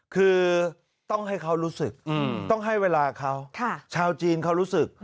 คือต้องให้เขารู้สึกต้องให้เวลาเขาชาวจีนเขารู้สึก